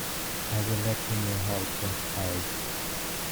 I will let you know how it transpires.